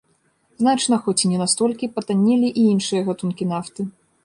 Значна, хоць і не настолькі, патаннелі і іншыя гатункі нафты.